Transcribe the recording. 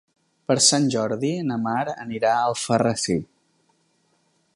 Per Sant Jordi na Mar anirà a Alfarrasí.